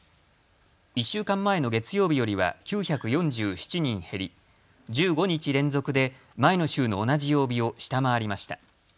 １週間前の月曜日よりは９４７人減り、１５日連続で前の週の同じ曜日を下回りました。